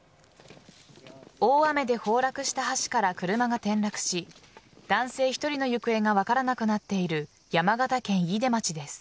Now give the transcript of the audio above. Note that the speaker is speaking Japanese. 大雨で崩落した橋から車が転落し男性１人の行方が分からなくなっている山形県飯豊町です。